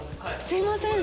すみません。